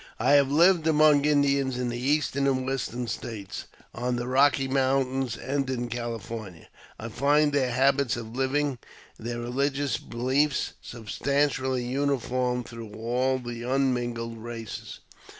I have lived among Indians in the Eastern and Western States, on the Eocky Mountains, and in California ; I find their habits of living, and their religious belief, substantially uniform through all the unmingled races.